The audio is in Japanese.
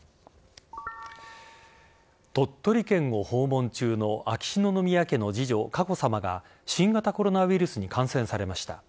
鳥取県を訪問中の秋篠宮家の次女・佳子さまが新型コロナウイルスに感染されました。